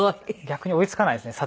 逆に追いつかないですね